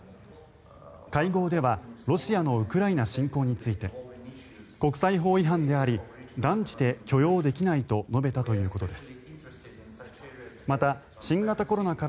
会合ではロシアのウクライナ侵攻について国際法違反であり断じて許容できないと述べたということです。